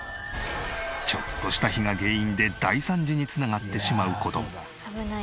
ちょっとした火が原因で大惨事に繋がってしまう事も。